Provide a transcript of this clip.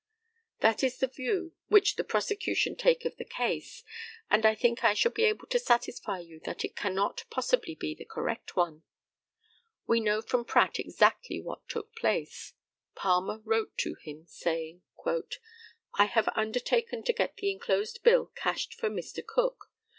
That is the view which the prosecution take of the case, and I think I shall be able to satisfy you that it cannot possibly be the correct one. We know from Pratt exactly what took place. Palmer wrote to him saying, "I have undertaken to get the enclosed bill cashed for Mr. Cook.